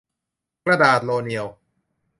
กระดาษโรเนียว